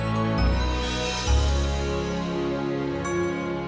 nolong masuk sarah